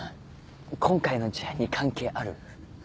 今回の事案に関係ある？